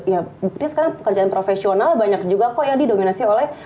ya buktinya sekarang pekerjaan profesional banyak juga kok yang didominasi oleh